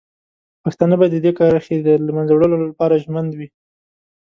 پښتانه باید د دې کرښې د له منځه وړلو لپاره ژمن وي.